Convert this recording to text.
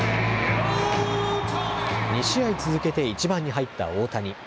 ２試合続けて１番に入った大谷。